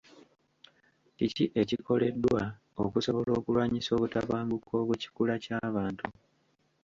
Kiki ekikoleddwa okusobola okulwanyisa obutabanguko obw'ekikula ky'abantu.